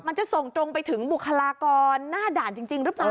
มันจะส่งตรงไปถึงบุคลากรหน้าด่านจริงหรือเปล่า